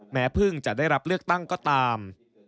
เพิ่งจะได้รับเลือกตั้งก็ตาม